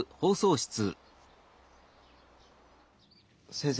先生。